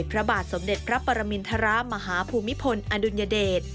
พระมหาภูมิพลอดุญเดช